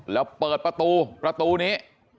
แล้วเปิดประตูประตูนี้